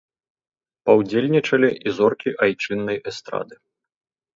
Паўдзельнічалі і зоркі айчыннай эстрады.